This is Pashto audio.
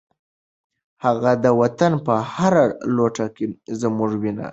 د وطن په هره لوټه کې زموږ وینه ده.